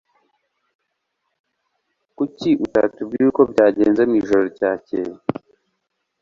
Kuki utatubwiye uko byagenze mwijoro ryakeye?